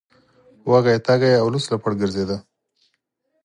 وږی تږی او لوڅ لپړ ګرځیده.